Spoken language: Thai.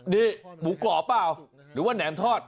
นี่หมูกรอบหรือแหนมทอด